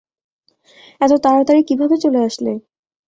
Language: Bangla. এতো তাড়াতাড়ি কিভাবে চলে আসলে?